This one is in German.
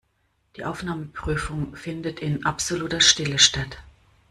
Die Aufnahmeprüfung findet in absoluter Stille statt.